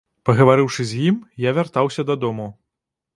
Пагаварыўшы з ім, я вяртаўся дадому.